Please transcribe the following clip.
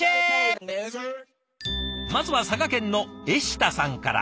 まずは佐賀県のえしたさんから。